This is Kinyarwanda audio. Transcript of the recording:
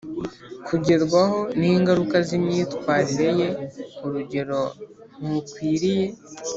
kugerwaho n ingaruka z imyitwarire ye Urugero ntukwiriye